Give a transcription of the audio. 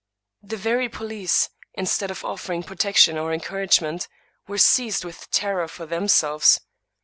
The very police, instead of offering protection or encouragement, were seized with terror for themselves.